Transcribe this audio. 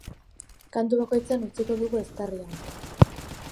Kantu bakoitzean utziko dugu eztarria.